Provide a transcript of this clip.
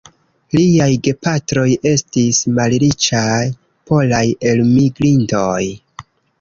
Liaj gepatroj estis malriĉaj polaj elmigrintoj.